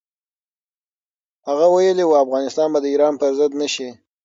هغه ویلي و، افغانستان به د ایران پر ضد نه شي.